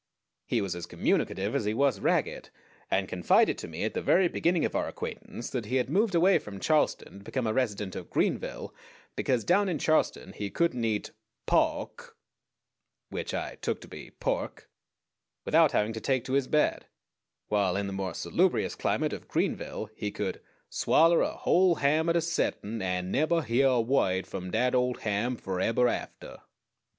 He was as communicative as he was ragged, and confided to me at the very beginning of our acquaintance that he had moved away from Charleston to become a resident of Greenville because down in Charleston he couldn't eat "pohk" (which I took to be pork) without having to take to his bed; while in the more salubrious climate of Greenville he could "swaller a whole ham at a settin', an' nebber hyear a woid from dat old ham forebber after."